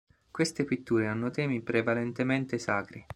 Queste pitture hanno temi prevalentemente sacri.